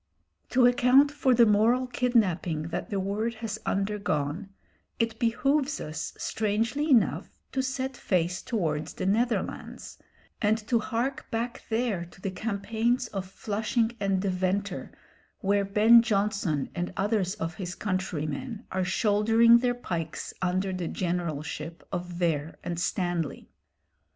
To account for the moral kidnapping that the word has undergone, it behoves us, strangely enough, to set face towards the Netherlands, and to hark back there to the campaigns of Flushing and Deventer, where Ben Jonson and others of his countrymen are shouldering their pikes under the generalship of Vere and Stanley.